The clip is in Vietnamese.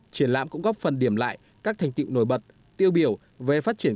triển lãm cũng góp phần điểm lại các thành tiệu nổi bật tiêu biểu về phát triển